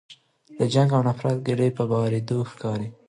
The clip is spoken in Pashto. د جنګ او نفرت کډې په بارېدو ښکاري